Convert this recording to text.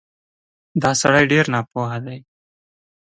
دا سړی ډېر ناپوه دی